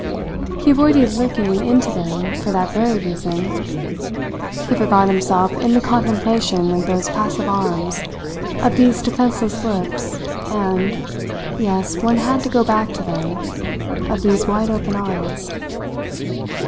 He avoided looking into them for that very reason. He forgot himself in the contemplation of those passive arms, of these defenceless lips, and yes, one had to go back to them of these wide open eyes.